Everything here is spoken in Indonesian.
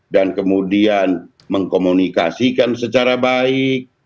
dan kemudian mengkomunikasikan secara baik